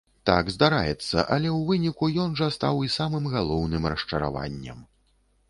Так здараецца, але ў выніку ён жа стаў і самым галоўным расчараваннем.